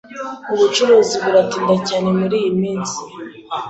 Ubucuruzi buratinda cyane muriyi minsi.